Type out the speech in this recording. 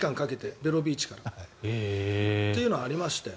ベロビーチからというのがありましたよ。